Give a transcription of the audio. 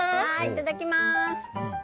いただきます！